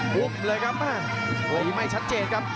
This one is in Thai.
ุ๊บเลยครับตีไม่ชัดเจนครับ